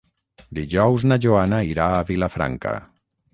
Dijous na Joana irà a Vilafranca.